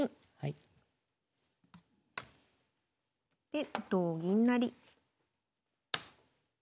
で同銀成。